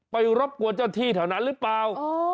รบกวนเจ้าที่แถวนั้นหรือเปล่า